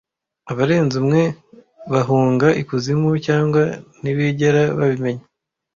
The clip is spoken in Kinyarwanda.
abarenze umwe bahunga ikuzimu cyangwa ntibigera babimenya